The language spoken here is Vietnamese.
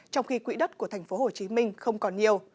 trong khi quỹ đất của tp hcm không còn nhiều